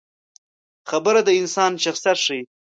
خبره د انسان شخصیت ښيي.